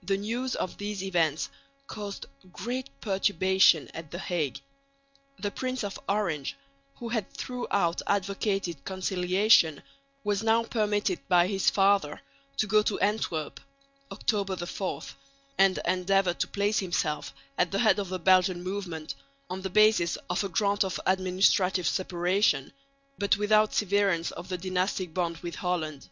The news of these events caused great perturbation at the Hague. The Prince of Orange, who had throughout advocated conciliation, was now permitted by his father to go to Antwerp (October 4) and endeavour to place himself at the head of the Belgian movement on the basis of a grant of administrative separation, but without severance of the dynastic bond with Holland.